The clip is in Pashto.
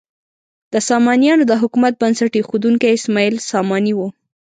د سامانیانو د حکومت بنسټ ایښودونکی اسماعیل ساماني و.